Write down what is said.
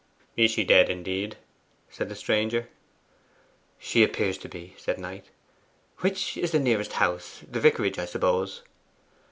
'Is she dead indeed?' said the stranger. 'She appears to be,' said Knight. 'Which is the nearest house? The vicarage, I suppose.